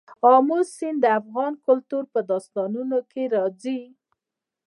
آمو سیند د افغان کلتور په داستانونو کې راځي.